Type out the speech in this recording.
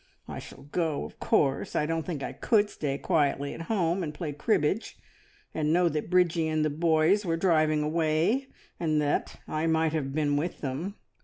I shall go, of course. I don't think I could stay quietly at home and play cribbage, and know that Bridgie and the boys were driving away, and that I might have been with them.